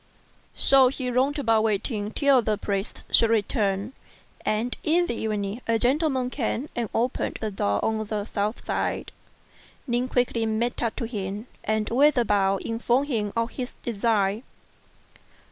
So he roamed about waiting till the priests should return ; and in the evening, a gentleman came and opened the door on the south side. Ning quickly made up to him, and with a bow informed him of his design.